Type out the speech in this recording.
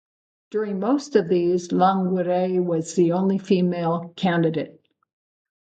During most of these, Laguiller was the only female candidate.